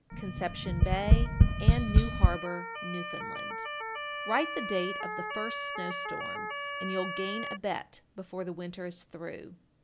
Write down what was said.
Conception Bay and New Harbor, N.F. 1469. Write the date of the first snowstorm, and you'll gain a bet before the winter is through.